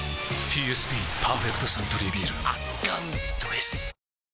ＰＳＢ「パーフェクトサントリービール」圧巻どぇす！